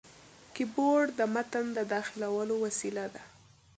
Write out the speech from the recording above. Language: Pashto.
کیبورډ د متن داخلولو وسیله ده.